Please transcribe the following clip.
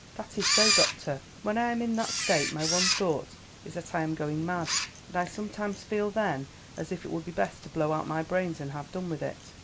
"That is so, doctor. When I am in that state my one thought is that I am going mad, and I sometimes feel then as if it would be best to blow out my brains and have done with it."